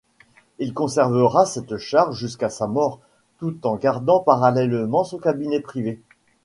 Il conservera cette charge jusqu'à sa mort, tout en gardant parallèlement son cabinet privé.